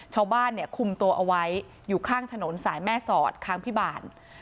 ชาวบ้านเนี่ยคุมตัวเอาไว้อยู่ข้างถนนสายแม่สอดค้างพิบาล